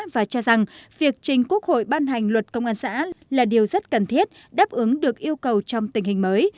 và cho rằng việc trình quốc hội ban hành luật công an xã là điều rất cần thiết đáp ứng được yêu cầu trong tình hình mới